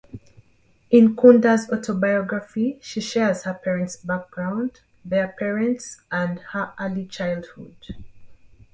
In Kunda's autobiography, she shares her parents' background, their parents, and her early childhood.